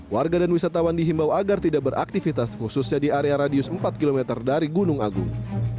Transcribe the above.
warga dan wisatawan dihimbau agar tidak beraktivitas khususnya di area radius empat km dari gunung agung